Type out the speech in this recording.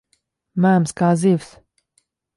Mēms kā zivs.